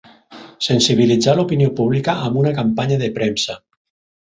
Sensibilitzar l'opinió pública amb una campanya de premsa.